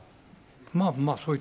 まあまあ。